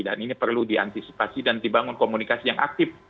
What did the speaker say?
dan ini perlu diantisipasi dan dibangun komunikasi yang aktif